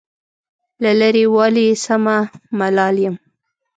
له لرې والي سمه ملال یم.